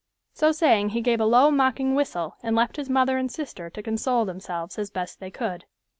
So saying he gave a low mocking whistle and left his mother and sister to console themselves as best they could.